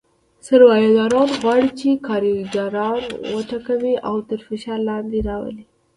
سرمایه داران غواړي چې کارګران وټکوي او تر فشار لاندې راولي